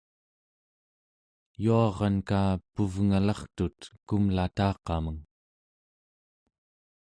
yuaranka puvngelartut kumlataqameng